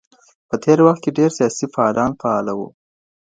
په تېر وخت کي ډېر سياسي فعالان فعال وو.